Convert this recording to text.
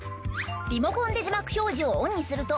リモコンで字幕表示をオンにすると。